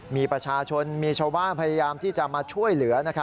มีประชาชนมีชาวบ้านพยายามที่จะมาช่วยเหลือ